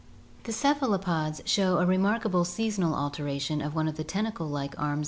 The cephalopods show a re markable seasonal alteration of one of the tentacle like arms Fio.